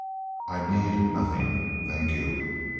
I need nothing. Thank you.